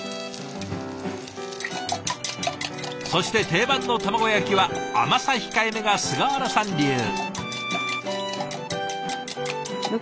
そして定番の卵焼きは甘さ控えめが菅原さん流。